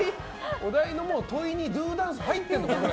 お題の問いにドゥーダンス入ってるのかな？